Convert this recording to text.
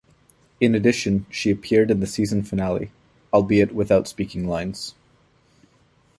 In addition, she appeared in the season finale, albeit without speaking lines.